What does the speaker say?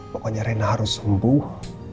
pokoknya rena harus sembuh